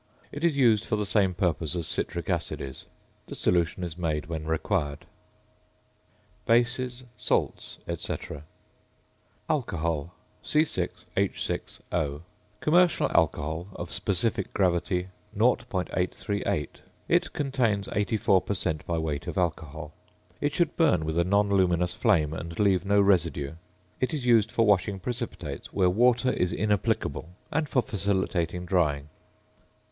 It is used for the same purposes as citric acid is. The solution is made when required. BASES, SALTS, &c. ~Alcohol~, C_H_O. (Commercial alcohol of sp. gr. 0.838; it contains 84 per cent. by weight of alcohol.) It should burn with a non luminous flame and leave no residue. It is used for washing precipitates where water is inapplicable, and for facilitating drying.